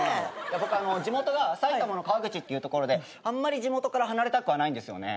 僕あの地元が埼玉の川口っていうところであんまり地元から離れたくはないんですよね。